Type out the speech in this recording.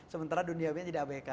sementara duniawinya jadi abk